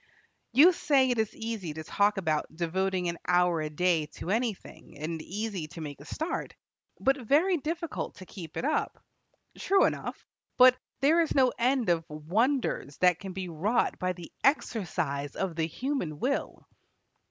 You say it is easy to talk about devoting an hour a day to anything, and easy to make a start, but very difficult to keep it up. True enough, but there is no end of wonders that can be wrought by the exercise of the human will.